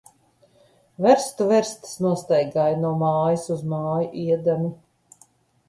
Verstu verstis nostaigāja, no mājas uz māju iedami.